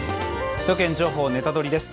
「首都圏情報ネタドリ！」です。